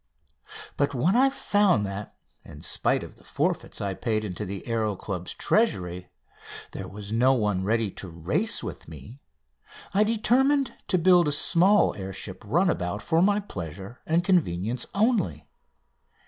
But when I found that, in spite of the forfeits I paid into the Aéro Club's treasury, there was no one ready to race with me I determined to build a small air ship runabout for my pleasure and convenience only.